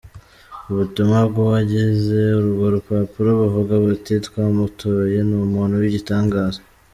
Ubutumwa bw'uwagize urwo rupapuro buvuga buti:" Twamutoye! N'umuntu w'igitangaza.